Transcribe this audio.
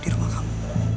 di rumah kamu